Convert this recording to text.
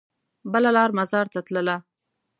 بله لار مزار ته تلله.